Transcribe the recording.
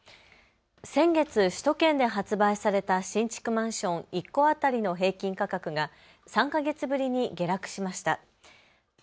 先月、首都圏で発売された新築マンション１戸当たりの平均価格が３か月ぶりに下落しました。